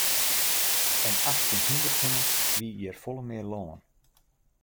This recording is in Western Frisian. Om achttjin hûndert hinne wie hjir folle mear lân.